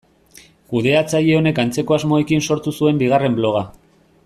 Kudeatzaile honek antzeko asmoekin sortu zuen bigarren bloga.